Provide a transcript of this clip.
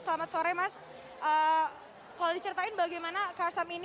dan memotivasi tenzon untuk menunggu program ini